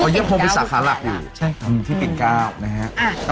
เยี่ยมคงเป็นสาขาหลักอยู่ใช่ค่ะอืมที่ปิ่นก้าวนะฮะอ่า